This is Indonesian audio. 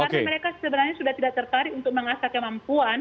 karena mereka sebenarnya sudah tidak tertarik untuk mengasah kemampuan